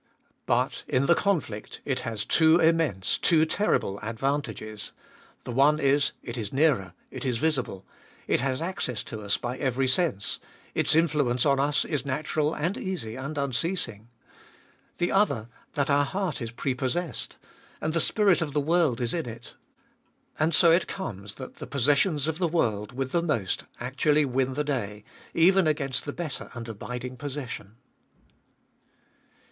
But, in the con flict, it has two immense, two terrible advantages. The one is, it is nearer ; it is visible ; it has access to us by every sense ; its Cbe Iboliest of Bll 411 influence on us is natural and easy and unceasing. The other, that our heart is prepossessed ; the spirit of the world is in it. And so it comes that the possessions of this world with the most actually win the day, even against the better and abiding possession.